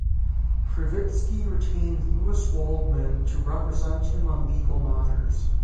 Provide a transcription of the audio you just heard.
Krivitsky retained Louis Waldman to represent him on legal matters.